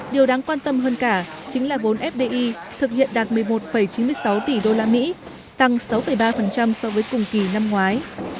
điều đáng quan tâm hơn cả chính là vốn fdi thực hiện đạt một mươi một chín mươi sáu tỷ usd tăng sáu ba so với cùng kỳ năm ngoái